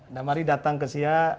nah mari datang ke siak